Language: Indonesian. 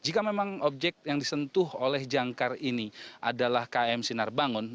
jika memang objek yang disentuh oleh jangkar ini adalah km sinar bangun